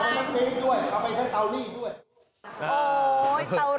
โอ้ยเต้ารีด